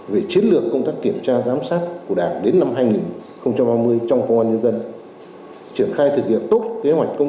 về chiến lược công tác kiểm tra giám sát của đảng